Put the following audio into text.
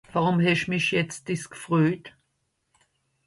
Worùm hesch mich jetz dìss gfröjt ?